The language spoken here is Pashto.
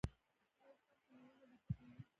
ایا ستاسو لوږه به ختمه نه شي؟